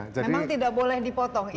memang tidak boleh dipotong itu ini